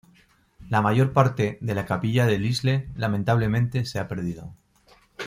La mayor parte de la capilla de Lisle, lamentablemente, se ha perdido.